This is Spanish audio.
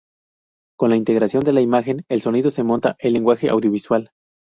Con la integración de la imagen y el sonido se monta el lenguaje audiovisual.